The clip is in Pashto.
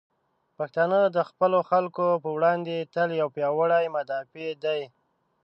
پښتانه د خپلو خلکو په وړاندې تل یو پیاوړي مدافع دی.